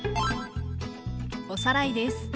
おさらいです。